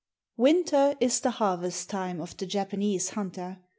] Winter is the harvest time of the Japanese hunter.